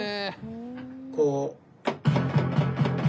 こう。